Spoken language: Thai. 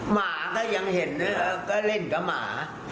หมาก็ยังเห็นก็เล่นกับหมา